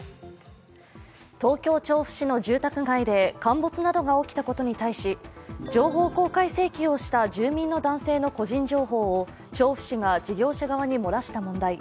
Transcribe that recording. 東京・調布市の住宅街で陥没などが起きたことに対し情報公開請求をした住民の男性の個人情報を調布市が事業者側に漏らした問題。